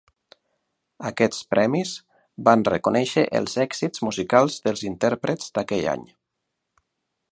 Aquests premis van reconèixer els èxits musicals dels intèrprets d'aquell any.